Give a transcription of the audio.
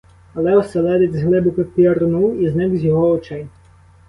Але оселедець глибоко пірнув і зник з його очей.